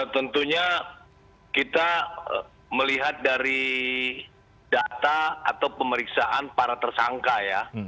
tentunya kita melihat dari data atau pemeriksaan para tersangka ya